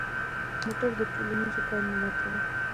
موټر د ټولنیزو کارونو برخه ده.